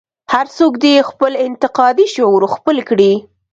هر څوک دې خپل انتقادي شعور خپل کړي.